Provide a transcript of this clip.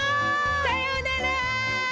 さようなら！